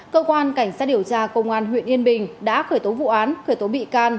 cơ quan cảnh sát điều tra công an huyện yên bình đã khởi tố vụ án khởi tố bị can